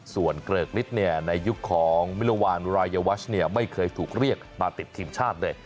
ส่วนเกริกฤทธิ์ในยุคของมิลวานรายวัชไม่เคยถูกเรียกมาติดทีมชาติเลย